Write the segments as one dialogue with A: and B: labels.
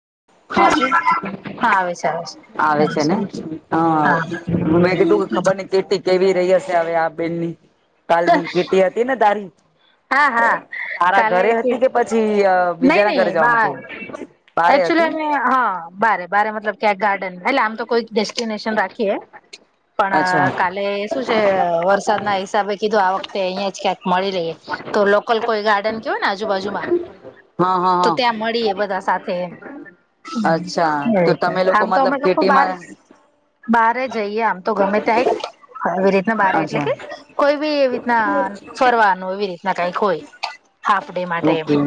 A: [unintelligible]
B: હા છે
A: હા આવે છે
B: આવે છે ને
A: હા
B: હ મેં કીધું કે ખબર ની ચીટી કેવી રહી હશે હવે આ બેનની કાલની ચીટી હતી ને તારી
A: હા હા
B: તારા
A: કાલે
B: ઘરે હતી કે પછી
A: નહી
B: બીજા ના ઘરે
A: નહી
B: જવાનું
A: બાર
B: હતું બારે હતી
A: એકચુલી એ હા બારે બારે મતલબ કે ગાર્ડન એટલે આમ તો કોઈ ડેસ્ટિનેશન રાખીએ પણ
B: અચ્છા
A: કાલે શ વરસાદ ના હિસાબે કીધું આ વખતે અહીિયાં જ ક્યાંક મળી રહી તો લોકલ કોઈ ગાર્ડન કેવય ને આજુબાજુમાં
B: હા હા
A: તો
B: હા
A: ત્યાં મળીએ બધા સાથે
B: અચ્છા તો તમે લોકો
A: આમ તો
B: મતલબ
A: અમે લોકો બાર
B: કેટીમાં
A: બાર જ જઈએ આમ તો ગમે ત્યાંય આવી રીતના બારે એટલે
B: અચ્છા
A: કે કોઈ બી એવી ના ફરવાનું એવી રીતના કઈક હોય હાફ ડે માટે
B: ઓકે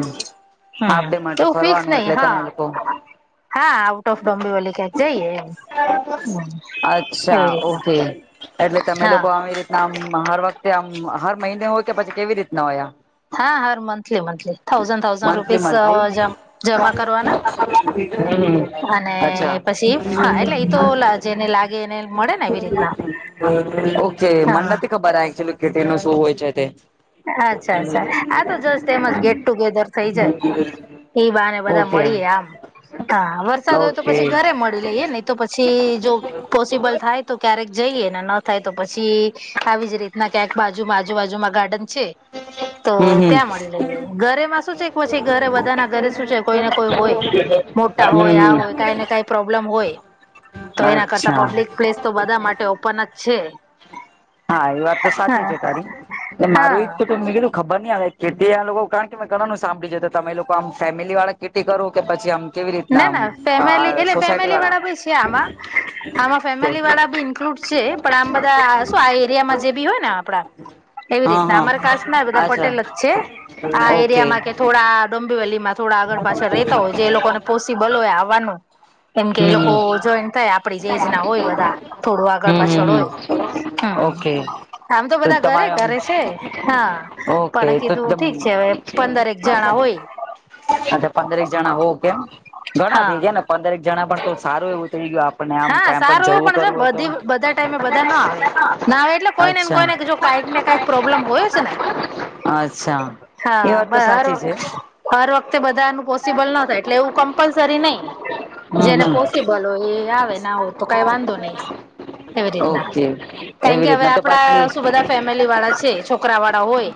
A: હમ
B: હાફ ડે માટે
A: તોવું ફિક્સ
B: ફરવાનું
A: નહી
B: એટલે
A: હા
B: તમે લોકો
A: હા આઉટ ઓફ ડોમ્બે વાલી ક્યાંક જઈએ એ
B: અચ્છા ઓકે એટલે તમે
A: હા
B: લોકો આવી રીતનામ હર વખત આ હર મહિને હોય કે પછી કેવી રીતના હોયા
A: હા હર monthly monthly thousand thousand
B: monthly
A: rupees
B: monthly
A: જમા કરવાના
B: હમ
A: અને
B: અચ્છા
A: પછી હા એટલે એ તો જેને લાગે એને મળે ને એવી રીતના
B: ઓકે
A: હા
B: મંડથી ખબર હ એચુલી કેટી ન શું હોય છે તે
A: અચ્છા અચ્છા આ તો જસ તેમજ ગેટ ટુગેધર થઈ જાય ઈ બાને બધા
B: ઓકે
A: મળીએ આમ હા વરસાદ હોય તો
B: ઓકે
A: પછી ઘરે મળી લઈએ ને તો પછી જો પોસિબલ થાય ક્યારેક જઈ ને ન થાય તો પછી આવી જ રીતના ક્યાંક બાજુ આજુબાજુમાં ગાર્ડન છે
B: હમ
A: તો
B: હમ
A: ત્યાં મળી રહી ઘરેમાં શું છે પછી ઘરે બધા ના ઘરે શું છે કોઈને કોઈ હોય મોટા હોય
B: હમ
A: આ હોય
B: હમ
A: કઈ ને કઈ પ્રોબ્લેમ હોય તો એના કરતા
B: અચ્છા
A: પબ્લિક પ્લેસ તો બધા માટે ઓપન જ છે
B: હા એ વાત તો સાચી
A: હા
B: છે તારી મારું
A: હા
B: એક તો ત નીકળું ખબર નહી આવે કીટી લોકો કારણ કે મેં ઘણાનું સાંભળી જ તો તમે એ લોકો આમ ફેમિલી વાળા કીર્તિ કરો કે પછી આમ કેવી રીતના
A: ના
B: આમ
A: ના ફેમલી
B: આ
A: એટલે
B: સોસાયટી
A: ફેમિલી વાળા બ છે આમાં આમાં ફેમિલી વાળા બી ઇન્લુડ છે પણ આમ બધા શું આ એરિયામાં જે બી હોય ને આપડા એવી
B: હા
A: રીતના
B: હા
A: અમારે કાસ ના બધા
B: અચ્છા
A: પટેલ જ છે આ
B: ઓકે
A: એરિયામાં કે થોડા ડોમ્બીવેલીમાં થોડા આગળ પાછળ રેતા હોય જે એ લોકોને પોસિબલ હોય આવવાનું એમ કે એ
B: હમ
A: લોકો
B: હમ
A: જોઈન થાય આપડી જે એજ ના હોય બધા થોડું આગળ
B: હમ હમ
A: પાછળ હોય
B: હમ
A: હમ
B: ઓકે
A: આમ
B: તો
A: બધા ઘરે
B: તમારેું
A: ઘરે છે હા
B: આમ ઓકે
A: પણ કીધું ઠીક છે હવે
B: તો
A: પંદરેક જણા હોય
B: અચછા પંદરે એક જણા હો કેમ ઘણા થઈ
A: હા
B: ગયા ને પંદરક જણા પણ તો સારું એવું થઈ ગયું આપણને આમ
A: હા
B: કાઈ
A: સારું એવું
B: જવું
A: પણ છે
B: કરવું હોય તો
A: નેી બધા ટાઈમે બધા ના આવે ના આવે એટલે કોઈ નેને
B: અચ્છા
A: કોઈને જો ક
B: અચ્છા એ વાત તો
A: ય
B: સાચી છે
A: વખતે બધાનું પોસિબલ ના થાય એટલે એવું કમ્પલસરી નહી
B: હમ
A: જેને
B: હમ
A: પોસિબલ હોય એ આવે ને આવ તો કઈ વાંધો નહી એવી રીતના
B: ઓકે
A: કારણ
B: એવી
A: કે હવે
B: રીતના તો પાછી
A: આપડા શું બધા ફેમિલી વાળા છે છોકરા વાળા હોય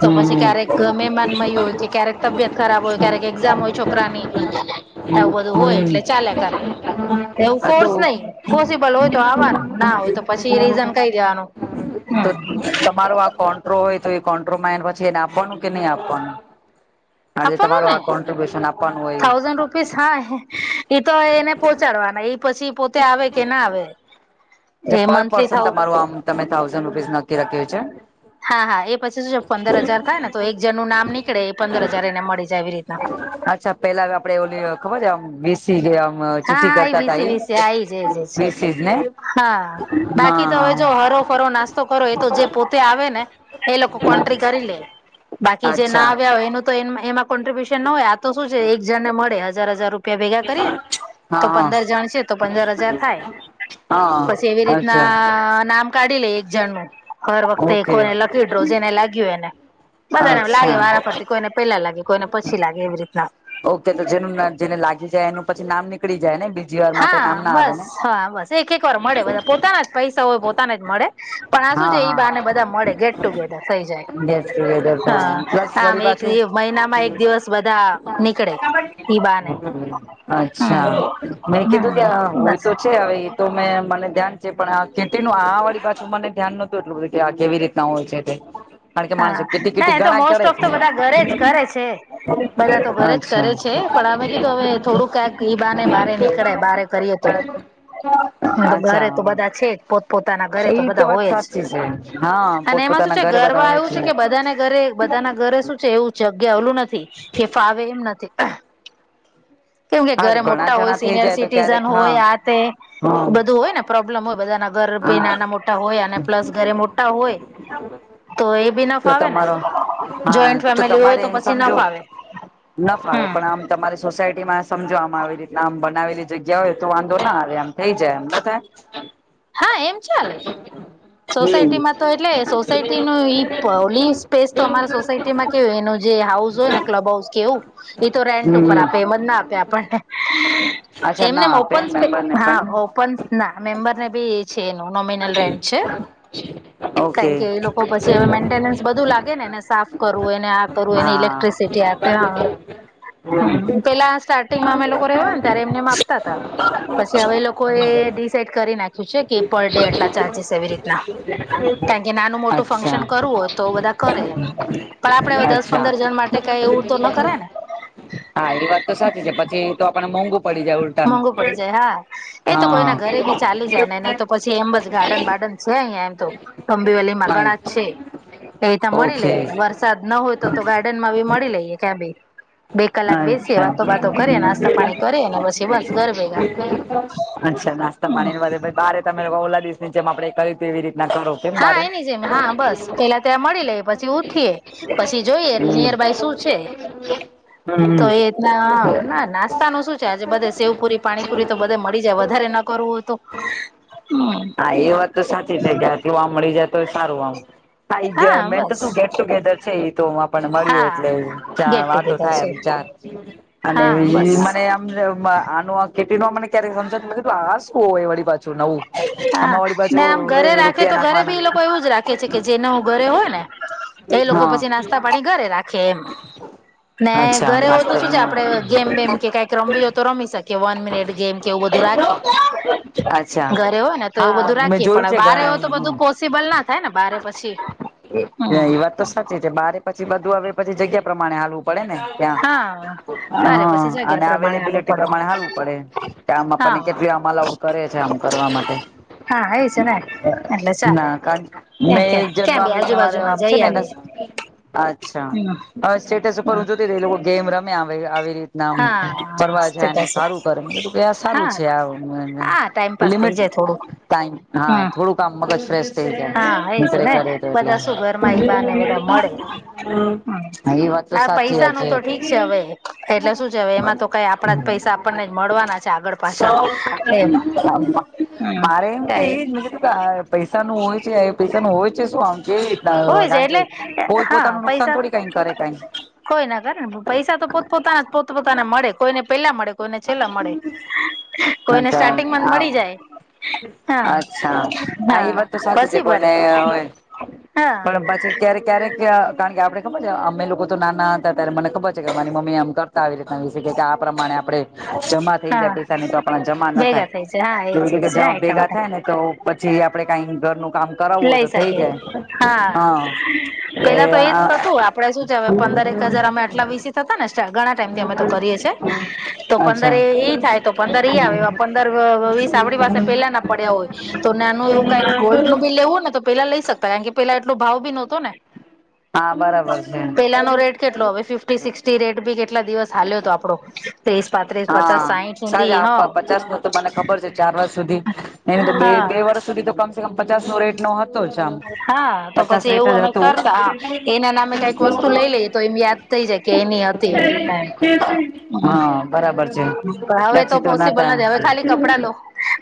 A: તો પછી
B: હમ
A: ક્યારેક મમાન મય હોય કે ક્યારેક તબિયત ખરાબ હોય ક્યારેક એક્ઝામ હોય છોકરાની એવું બધું હોય એટલે
B: હ
A: ચાલે કરે
B: હમ
A: એવું
B: હ તો
A: ફોર્સ નહી પોસિબલ હોય તો આવવાનું ના હોય તો પછી રીઝન કહી દેવાનું
B: તો તમારો આ કોન્ટ્રો હોય તો ્રો પછી એ આપવાનું કે ન આપવાનું તમા
A: આપવાનું ને
B: આ કોબ્યુન
A: થાઉઝન્ડ રૂપીસ હા તો એને પહોંચાડવાના પછી પોતે આવે કે ના આવે
B: જે
A: એ
B: પર
A: મંથલી
B: પર્સન
A: થાઉ
B: તમારું આમ તમે થાઉઝન્ડ રૂપીસ નક્કી રાખ્યું છે
A: હા હા એ પછી શ પંદર હાજાર થાય ને તો એક જણનું નામ નીકળે એ પંદર હજાર એને મળી જાય એવી રીતે
B: અચ્છા પેલા આપડે ઓ ખબર છેમ વીસી ગયા
A: હા
B: ચિઠ્ઠી
A: હા એ
B: કરતા
A: વીસી વીસી હા એજ એજ એજ
B: તઝ ને
A: હા
B: હા
A: બાકી તમે જો
B: હા
A: હરો ફરો નાસ્તો કરો એ તો જે પોતે આવે ને એ લોકો કોન્ટક ક્રિકારલે બાકી જે ના
B: અચ્છા
A: આવ્યા હોય એનું તો એમાં કોન્ટ્રિબ્યુશન ના હોય આ તો શું છે એક જણ ને મળે હજાર હજાર રૂપિયા ભેગા કરીએ તો
B: હા હા
A: પંદર જણ છે તો પંદર હજાર થાય
B: હા
A: પછી એવી
B: અચ્છા
A: રીતના નામ કાઢી લે એક જણનુંું હર વખતે
B: ઓકે
A: એને લખીડો જેને લાગ્યું એને બધાને
B: અચ્છા
A: લાગે વારાફરથી કોઈને પેલા લાગે કોઈને પછી લાગે એવી રીતના
B: ઓકે તો જેનું જેને લાગી જાય એનું પછી નામ નીકળી જાય ને બીજી વાર માટે
A: હા
B: નામ ના આવે
A: બસ
B: ને
A: હા બસ એક એક વાર મળે બધા પોતાના જ પૈસા હોય પોતાના જ મળે પણ આ શું
B: હા
A: છે એ
B: હા
A: બને બધા મળે ગેટ ટુગેધર થઈ જાય
B: ગેસ વેધર તો
A: હા
B: પ્લસ
A: આમ
B: વળી
A: એક
B: પાછું
A: મહિનામાં એક દિવસ બધા નીકળે ઈ બાને હમ્મ
B: અચ્છા મેં કીધું કે હોય તો છે હવે એ તો મેં મને ધ્યાન છે પણ આ ખેતી નું આ વાળી પાછું મને ધ્યાન નહતું એટલું બધું કે આ કેવી રીતના હોય છે તે કારણ કે
A: હા
B: માણસો કેટી
A: ના
B: કેટી
A: એ તો
B: ઘણા
A: મોસ્ટ
B: કરે
A: ઓફ તો બધા ઘરે જ કરે છે બધા તો ઘરે જ કરે
B: અચ્છા.
A: છે પણ અમે કીધું હવે થોડું ક્યાંક ઈ બાને બારે નીકળે બારે કરીએ તો
B: [unintelligible]
A: ઘરે
B: અચ્છા
A: તો બધા છે જ પોતપ પોતાના ઘરે
B: એ
A: તો બધા
B: વાત
A: હોય જ
B: સાચી છે હા પોતપોતાના ઘરે બધા
A: વા એવું છે કે બધાને ઘરે બધા ના ઘરે શું છે એવું જગ્યા ઓલું નથી કે ફાવે એમ નથી કેમ કે
B: હા
A: ઘરે
B: ઘણા
A: મોટા હોય
B: જણા થઈ
A: સિનિયર
B: જાય તો
A: સિટીઝન
B: ક્યારેક હા
A: હોય આ તે
B: હા
A: બધું હોય ને પ્રોબ્લેમ હોય બધાના ઘર રભી
B: હા
A: નાના મોટા હોય અને પ્લસ ઘરે મોટા હોય તો એ બી ન
B: તો
A: ફાવે ને
B: તમારો હા
A: જોઈન્ટ
B: તો
A: ફેમિલી હોય
B: તમારે
A: તો પછી ન
B: સમજો
A: ફાવે
B: ના ફાવે
A: હમ
B: પણ આમ તમારી સોસાયટી માં સમજવામાં આવી રીતના આમ બનાવેલી જગ્યા હોય તો વાંધો ના આવે આમ થઇ જાય એમ ના થાય
A: હા એમ ચાલે સોસાયટીમાં તો એટલે સોસાયટી નો ઈ લો સ્પેસ તો અમારા સોસાયટીમાં કેવય એનું જે હાઉસ હોય ને ક્લબ હાઉસ કેવું એ તો રેન્ટ
B: હમ્મ.
A: ઉપર આપે એમ
B: હમ્મ
A: ના આપ આપને
B: અચ્છા
A: એમને
B: ના આપે
A: ઓપન સ્પે
B: મેમ્બરને
A: હા
B: પણ
A: ઓપન ના મેમ્બર ને બી છે એનું નોમિનલ રેંટ છે
B: ઓકે
A: કારણ કે એ લોકો પછી હવે મેન્ટેનન્સ બધું લાગે ને ને સાફ કરવું એને આ કરવું એને ઇલેક્ટ્રિસિ
B: હા
A: ટી ક્યાં તો હ હ પેલા સ્ટાર્ટિંગમાં અમે લોકો રેવા ને ત્યારે એમને આપતા હતા પછી હવે લોકો એ ડિસાઇડ કરી નાખ્યું છે કે પણ ચાલજસ એવી રીતના કારણ કે નાનું મોટું
B: અચ્છા
A: ફંક્શન કરવું હોય તો બધા કરે એમ પણ આપડે હવે દસ
B: અચ્છા
A: પંદર જણ માટે કઈ એવું તો ના કરે ને
B: હા એ વાત તો સાચી છે પછી તો આપડ ને મોં
A: મોઘુ પડી જાય હા એ તો
B: હા
A: કોઈના ઘરે બી ચાલી જાય ને ન તો પછી એમ બસ ગાર્ડન બાર્ડન છે અહિયાં એમ તો અંબી વલી માં ગણા જ છે એ ત મળી
B: ઓકે
A: લઈએ વરસાદ ન હોય તો તો ગાર્ડન માં બી મળી લઈએ ક્યાં બી બે કલાક બેસે
B: અચ્છા
A: વાતો વાતો કરે નાસ્તા પાણી કરે
B: અચ્છા નાસ્તા પાણી [unintelligible] બારે તમે લોકો ઓલા દીશ નીચે આપણે કઇ કેવી રી
A: હા એની જેમ હા બસ પેલા ત્યાં મળી લે પછી ઉઠીએ પછી જોઈએ નિયર બાય શું છે
B: હમ્મ.
A: તો એના ના નાસ્તા ન શું છે આજે બધે શેવપુરી પાણીપુરી તો બધે મળી જાય વધારે ન કરવું તો
B: હા એ વાત તો સાચી છે કેથી વામ મળી જાય તો સારું આમ હા મેન તો શું ગેટ ટુગેધર છે એ તોને મળીએ
A: હા
B: એટલે ત્યાં
A: ગેટ
B: વાતો
A: ટુગેધર
B: થાય
A: છે
B: વિચાર અને
A: હા બસ
B: મને આમ આનું ખેતી ન મને ક્યારે સમજ નથી આ શું હો એ વળ પાછું નવું
A: હા
B: આમાં વળી
A: ને આમ ઘરે
B: પાછું
A: રાખે
B: રૂપિયા
A: તો ઘરે
B: નાખવાના
A: બી એ લોકો એવું જ રાખે છે કે જેને હું ઘરે હોય ને એ લોકો
B: હા
A: પછી નાસ્તા પાણી ઘરે રાખે એમ ને
B: અચ્છા
A: ઘરે હોય તો
B: નાસ્તો
A: શું છે આપડે ગેમ બેેમ કે કાઈક રમવી હોય તો રમી શક કે વન મિનિટ ગેમ કે એવું બધું રાખે
B: અચ્છા
A: ઘરે હો ને તો એવું
B: હા
A: બધું
B: મેં
A: રાખીએ
B: જોયું
A: પણ
B: છે
A: બારે
B: ઘણા
A: તો બધું પોસિબલ ના થાય ને બારે પછી હમ
B: એ વાત તો સાચી છે બારે પછી બધું આવેવે પછી જગ્યા પ્રમાણે હાલ પડે ને ત્યાં
A: હા બારે પછી
B: હ
A: જગ્યા
B: અને
A: પ્રમાણે હાલવું
B: અલેબિલટી
A: પડે
B: પ્રમાણે હું પડે ત્યાં આમ આપણને
A: હા
B: કેટલી આમ અલાઉડ કરે છે આમ કરવા માટે
A: હા એ છે ને એટલે ચાલે
B: ના કાર
A: એમ
B: મે
A: કે
B: એક
A: ક્યાં બી
B: જન્મામસરે
A: આજુબાજુમાં
B: આમ છે
A: જઈ
B: ને
A: આવીએ
B: અચ્છા હવે સ્ટેટસ ઉપર
A: હમ
B: હું જોતી એ લોકો ગેમ રમે આવી રીત ના
A: હા
B: ફરવા જાયને
A: સ્ટેટસ
B: સારું કરે કે આ સારું
A: હા
B: છે
A: હા
B: આ
A: ટાઈમપાસ થઇ
B: લિમિટ
A: જાય થોડુંક
B: ટાઈમ હા
A: હમ
B: થોડું કામ મગજ ફ્રેશ થઈ જાય
A: હા એજ
B: નીકરેે
A: ને
B: કરે તો એટલે
A: બધા શું ઘરમાં એ બાને બધા મળે
B: એ વાત તો
A: આ
B: સાચી
A: પૈસા
B: વાત
A: ન તો ઠીક છે હવે એટલે શું જ હ એમાં તો કઈ આપણા જ પૈસા ને મળવાના છે આગળ પાછળ એમ હમ
B: મારે એમ
A: ક
B: કે એજ મેં કીધું કે પૈસા નું હોય છે પૈસાનું હોય છે શું આમ એ રીતના
A: હોય છે
B: કારણ કે
A: એટલે હા
B: પોતપોતાનું નુકસાન
A: પૈસા
B: થોડી કઈક કરે કઈ
A: કોઈ ના કરે પૈસા તો પોતપોતાના પોતપતાને મળે કોઈને પેલા મળે કોઈને છેલ્લા મળે કોઈને સ્ટાર્ટિંગ મળી
B: આમ
A: જાય
B: અચ્છા
A: હા
B: આ
A: હા
B: એ વાત તો સાચી છે
A: પછી ભરે
B: કોઈને હોય
A: હા
B: પણ પછી ક્યારે ક્યારેક કારણ કે આપડણે ખબર છે અમે લોકો તો નાના હતા ત્યારે મને ખબર છે કે મારી મમ્મી આમ કરતા આવી રીતના વિશે કે કે આ પ્રમાણે આપડણે જમા થઈ જાય
A: હા
B: પૈસા ની તો આપણા જમા ના
A: ભેગા
B: થાય
A: થઈ છે હા
B: તોવી
A: એજ એજ
B: રીતે
A: હા એટલા
B: ભેગા
A: માટે
B: થાય ને તો જે આપડે કઈ ઘરનું કામ કરાવવું હોય
A: લઈ
B: તો થઈ
A: શકીએ
B: જાય હા
A: પેલા તો એજ
B: એ
A: થતું આપડે શું છે હવે પંદર એક હજાર અમે આટલા વિીસી થતા ને સ્ટ ઘણા ટાઈમથી અમે તો કરીએીએ તો પંદર
B: અચ્છા
A: એ ઈ થાય તો પંદર ઈ આવે પંદર વીસ આપણી પાસે પેલા ના પડ્યા હોય તો નાનું એવું કઈ ગોલ્ડ નું બિ લેવું ને તો પેલા લઈ શકતા કારણ કે પેલા એટલો ભાવ બી નહતોને
B: હા બરાબર છે
A: પેલા નો રેટ કેટલો હવે ફિફી સિક્સટી રેટ બી કેટ કેટલા દિવસ હાલ્યો હતો આપડો ત્રીસ પાંત્રીસ પચાસ
B: હા
A: સાહીઠ સુધી
B: સાજા
A: હ
B: આપ પચાસ ન તો મને ખબર છે ચાર વર્ષ સુધી એને તો બે
A: હા
B: બે વર્ષ સુધી તો કમસે કમ પચાસ નો રેટો હતો જમ
A: હા તો
B: પચાસ
A: પછી એવું
B: લેટર
A: અમે
B: હતું
A: કરતા હા એના નામે કઈક વસ્તુ લઈ લઈએ તો એમ યાદ થઈ જાય કે એની હતી એવી રીતના એમ
B: હા બરાબર છે
A: પણ હવે
B: પછી તો ના થ
A: પોસિબલ નથી હવે ખાલી કપડા લો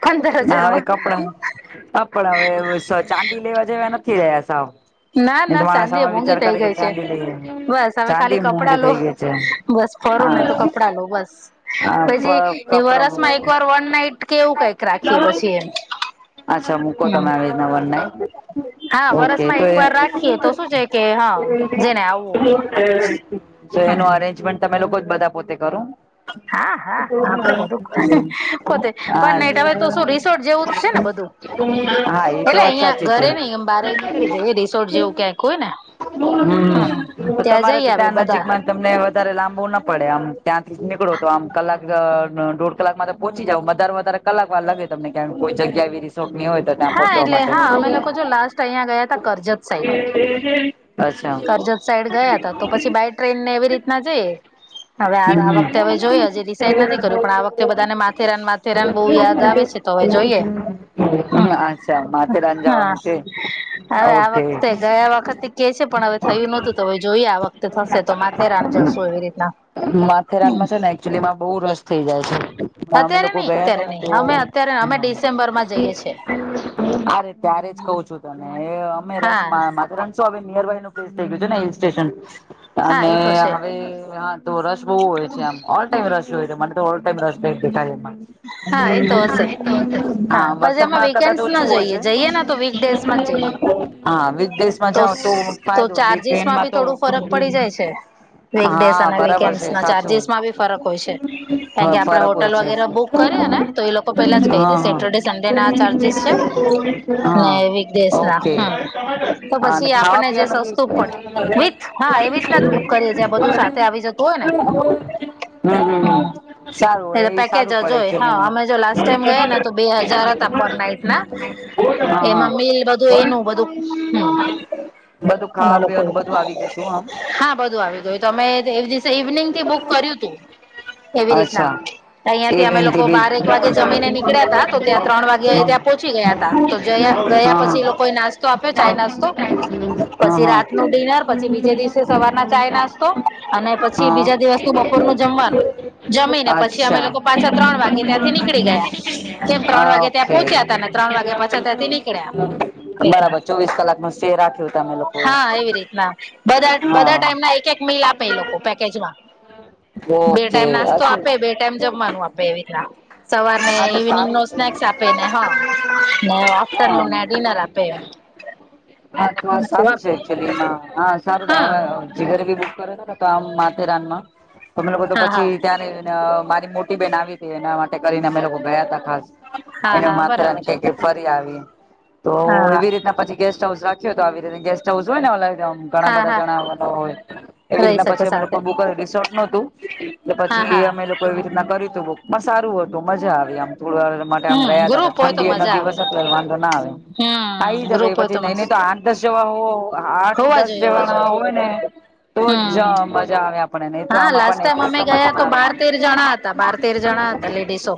A: પંદર
B: ના હવે
A: હજારમાં
B: કપડા કપડા હવે ચાંદી લેવા જેવા નથી રહ્યા સાવ
A: ના
B: એ તો
A: ના
B: માણસ
A: સાાંદિ
B: આમાં
A: મોંઘી
B: વિચાર
A: થઇ
B: કરે કે
A: ગઈ છે
B: ચાંદી લઈએ
A: બસ હવે
B: ચાંદી
A: ખાલી
B: મોંઘી
A: કપડા લો
B: થઈ ગઈ છે
A: બસ ફરો
B: હા
A: નને તો કપડાં લો બસ પછી
B: કપડા
A: વરસમાં એક વાર વન નાઈટ કેવું કઈક રાખીએ પછી એમ
B: અચ્છા મૂકો
A: હમ
B: તમે આવીના વરને
A: હા
B: ઓકે
A: વરસમાં
B: તો
A: એક વાર રાખીએ તો શું છે કે હા જેને આવવું હોય
B: તો એનું
A: હમ
B: અરેન્જમેન્ટ તમે લોકો બધા પોતે કરું હ હ
A: હા હા આપડે બધું પોતે પણ નહી હવે તો શું રિસોર્ટ જેવું જ છે ને બધું
B: હા એ તો
A: એટલે
B: વા
A: અહિયાં
B: સાાચી છે હ
A: ઘરે નઈ એમ બારે નીકળી જઈએ રિસોર્ટ જેવું ક્યાંક હોય ને હમ
B: તો
A: ત્યાં
B: તમારે
A: જઈ
B: તો
A: આવી
B: ત્યાં નજીક
A: બધા
B: તમને વધારે લાંબવું ના પડે આમ ત્યાંથી નીકળો તો આમ કલાક દોઢ કલાક માં તો પહોંચી જાવ વધારે વધારે કલાક વા લગે તમને કે કોઈ જગ્યા આવી ર
A: હા એટલે હા અમે લોકો છ લાસ્ટ અહિયાંયા ગયા ત કરજત સાઈડ
B: અચ્છા
A: કરજત સાઈડ ગયા હતા તો પછી બાય ટ્રેન ને એવી રીતના જઈ હવે આ આ વખતે હવે જોય હજે ડિસાઇડ નથી કર્યું પણ આ વખતે બધાને માથેરાન માથેરાન બહુ યાદ આવે છે તો હવે જોઈએ
B: અચ્છા માથે રાન
A: હા
B: જવાનું છે
A: હવે આ
B: ઓકે
A: વખતે ગયા વખત કે છે પણ હવે થયું નોતું તો હવે જોઈએ આ વખતે થશે તો માથેરા જશું એવી રીતના
B: માથેરાનમાં છે ને એકચુલી માં બઉુ રસ થઇ જાય છે અમે
A: અત્યારે
B: લોકો
A: નઈ
B: ગયા હતા
A: અત્યારે
B: ને
A: નઈ
B: તો
A: અમે અત્યારે અમે ડિસેમ્બરમાં જઈએ છે
B: અરે ત્યારે જ કઉ છું તને અમે રસ
A: હા
B: મા રણ શું હવે નિયર બાય નું પ્લેસ થઈ ગયું છે ને હિલ સ્ટેશન
A: હા
B: અને
A: એ તો છે
B: હવે હા તો રસ બહુ હોય છે આમ ઓલ ટાઈમ રસ મને તો ઓલ ટાઈમ
A: હા એ તો
B: રસ્
A: હશે
B: હા
A: પછી અમે
B: વરસાદમાં કદાચ
A: વીકેન્ડસ
B: ઓછું
A: ના જઈએ
B: હોય
A: જઈએ ને તો
B: છે
A: વીકડેસ માં જ જઈએ
B: હા વિદદેશમાં જાઓ તો
A: તો
B: ફાયદો
A: ચાર્જિસમાં બી
B: વિક્રેનમાં તો
A: થોડું ફરક પડી જાય છે વીકડેસ
B: હા
A: અને
B: બરાબર
A: વીકેન્ડસ
B: છે
A: ના
B: સાચું
A: ચાર્જસમાં બી ફરક હોય છે કારણ કે આપડે
B: ફરક હોય
A: હોટલ
B: છે
A: વગેરે બુક કર ને તો એ લોકો પેલા જ કહી
B: હા
A: દે
B: હા
A: સેટરડે સન્ડે ના ચાર્જિસ છે ને
B: હા
A: વીકડે
B: ઓકે અને
A: પછી આપ
B: ખાવા
A: જે
B: પીવાનું બી
A: સસ્તું વિ
B: હમ
A: હા એવી રીતના જ બુક કરી બધું સાથે આવી જ હમ
B: હ સારું
A: એટલે
B: એ
A: પેકેજ
B: સારું
A: જ
B: પડે એકચુલીમાં
A: અમે જો લ ટમ ગયા તો બે હજાર પર નાટ
B: હા હા
A: એમાં મ બધું એનું બધું
B: બધું
A: હમ
B: ખાવા
A: લોકો
B: પીવાનું બધું આવી ગયું હતું આમ
A: હા બધું આવી ગયું તમેવી ઇવનિંગ થી બુક કર્યું તું કેવી રીતના
B: અચ્છા
A: તહંથી અમે
B: ઇવનિંગ થી
A: લોકો
B: બીજ
A: બારેક વાગે જમીને નીકળ્યા હતા તો ત્યાં ત્રણ વાગે ત્યાં પોહોંચી ગયા હતા તો જ
B: હા
A: થયા
B: હા
A: પછી લોકોએ નાસ્તો આપ્યો ચાાય નાસ્તો પછી
B: હા
A: રાત ન ડિનર પછી બીજે દિવસે સવાર ચાય નાસ્તો અને પછી
B: હા
A: બીજા દિવસું બપોર નું જમવાનું જમીને પછી અમે
B: અચ્છા
A: લોકો પાછા ત્રણ વાગે ત્યાંથી નીકળી ગયા કેમ ત્રણ વાગે ત્યાં
B: ઓકે
A: પહોંચ્યા હતા ને ત્રણ વાગે પાછા ત્યાંથી નીકળ્યા
B: બરાબર ચોવીસ કલાક નું સ્ટે રાખ્યું તમે લોકો
A: હા એવી રીતના બા બધા
B: હા
A: ટાઈમ એક એક મિલ આપે એ લોકો પેકે બે
B: ઓકે
A: ટાઈમ નાસ્તો
B: અછું
A: આપે બે ટાઈમ જમવાનું આપે એવી રીતના સવાર ને
B: આ તો
A: ઈવનિંગ નો
B: સારું છે
A: સ્નેક્સ આપે ને હા ને
B: હા
A: આફ્ટરનૂન ને ડિનર આપે
B: હા સારું
A: આપે
B: છેચ હા સારું
A: હા
B: હ આમ માથેરાનમાં લોકો
A: હા હા
B: પછી ત મારી મો બેન આવી હતી એના માટે કરીને અમે લોકો ગયા ત ખાસ
A: હા
B: એને
A: હા બરાબર
B: માથરાને ક ફરી આવી તો
A: હા
B: એવી રીતના પછી ગેસ્ટ હાઉસ તો આવી રીતે ગેસ્ટ હાઉ હોય ને ઘણા
A: હા
B: બધા
A: હા
B: જણાવા હોય એવી
A: રહી
B: રીતના
A: શકે
B: પછી
A: સાથે
B: અનેુ રિસોર્ટ ન હતું
A: હા
B: પછી એ
A: હા
B: અમે એ લોકો એવી રીતના કરી તું બ પણ સારું હતું મજા આવે આમ માટે આમ
A: હમ
B: રહ્યા હતા
A: ગ્રુપ હોય તો
B: ઠંડી
A: મજા
B: નદી
A: આવે
B: વસ એટ વાંધો ના આવે
A: હમ
B: આવી જવે
A: ગ્રુપ હોય
B: પછી નઈ નઈ
A: મસ્ત
B: તો આઠ દસ જેવા હોવ આઠ
A: હોવા
B: દસ
A: જોઈએ હોવા
B: જવાના
A: જોઈએ
B: હોય ને તો
A: હમ
B: જ મજા આવે આપણને નહી તો
A: હા
B: આમ
A: લાસ્ટ
B: આપણને
A: ટાઈમ
B: એકલા
A: અમે
B: એકલા મજા
A: ગયા તો
B: ના આવે
A: બાર તેર જણા હતા બાર તેર જણા હા ત લલેડીસો